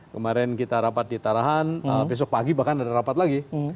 kemarin kita rapat di tarahan besok pagi bahkan ada rapat lagi